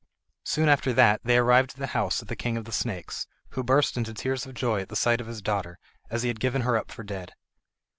Soon after that they arrived at the house of the King of the Snakes, who burst into tears of joy at the sight of his daughter, as he had given her up for dead.